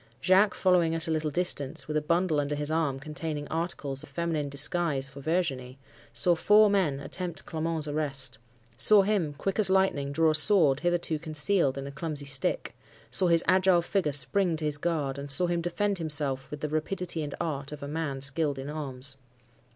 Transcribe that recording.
Jacques, following at a little distance, with a bundle under his arm containing articles of feminine disguise for Virginie, saw four men attempt Clement's arrest—saw him, quick as lightning, draw a sword hitherto concealed in a clumsy stick—saw his agile figure spring to his guard,—and saw him defend himself with the rapidity and art of a man skilled in arms.